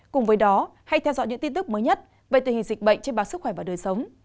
cùng với đó hãy theo dõi những tin tức mới nhất về tình hình dịch bệnh trên báo sức khỏe và đời sống